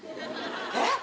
えっ！